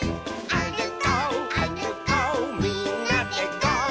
「あるこうあるこうみんなでゴー！」